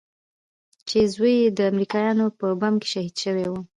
چې زوى يې د امريکايانو په بم شهيد سوى و.